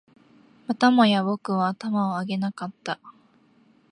またもや僕は頭を上げなかった